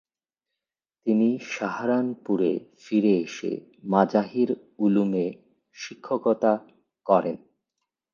তিনি সাহারানপুরে ফিরে এসে মাজাহির উলুমে শিক্ষকতা করেন।